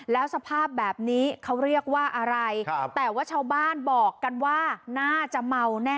แล้วสภาพแบบนี้เขาเรียกว่าอะไรแต่ว่าชาวบ้านบอกกันว่าน่าจะเมาแน่